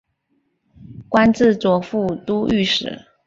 官至左副都御史。